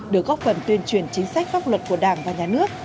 được góp phần tuyên truyền chính sách pháp luật của đảng và nhà nước